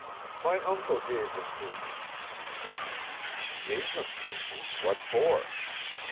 "My uncle gave them to me." "Gave them to you! What for?"